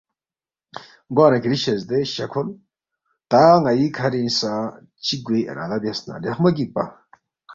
گوانہ کِھری شزدے شہ کھول، تا ن٘ئی کھرِنگ سہ چِک گوے ارادہ بیاس نہ لیخمو گِکپا